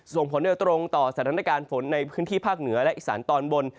ส่งผลโดยตรงต่อสถานการณ์ฝนในพื้นที่ภาคเหนือและอีสานตอนบน